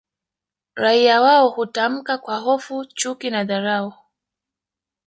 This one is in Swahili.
Raia wao hutamka kwa hofu chuki au dharau